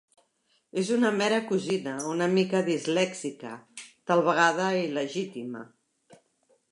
És una mera cosina una mica dislèxica, tal vegada il·legítima.